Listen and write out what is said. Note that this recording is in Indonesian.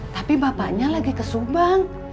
tapi bapaknya lagi ke subang